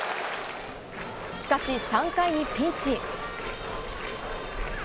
しかし、３回にピンチ。